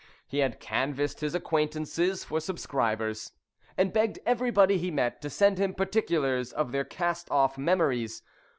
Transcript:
He had canvassed his acquaintances for subscribers, and begged everybody he met to send him particulars of their cast off memories.